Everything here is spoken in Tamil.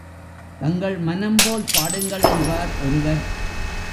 தங்கள் மனம்போல் பாடுங்கள் என்றார் ஒருவர்.